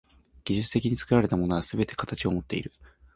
技術的に作られたものはすべて形をもっている。